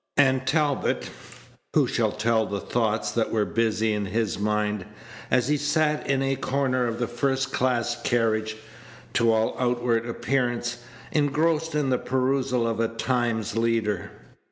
And Talbot who shall tell the thoughts that were busy in his mind, as he sat in a corner of the first class carriage, to all outward appearance engrossed in the perusal of a Times leader?